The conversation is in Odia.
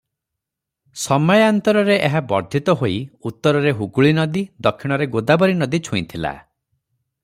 ସମାୟାନ୍ତରରେ ଏହା ବର୍ଦ୍ଧିତ ହୋଇ ଉତ୍ତରରେ ହୁଗୁଳୀନଦୀ, ଦକ୍ଷିଣରେ ଗୋଦାବରୀନଦୀ ଛୁଇଁଥିଲା ।